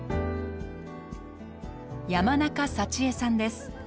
山中幸恵さんです。